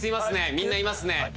みんな、いますね。